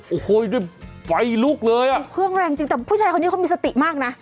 โอ้โหด้วยไฟลุกเลยอ่ะเครื่องแรงจริงแต่ผู้ชายคนนี้เขามีสติมากน่ะ